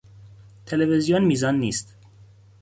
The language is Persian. تلویزیون میزان نیست.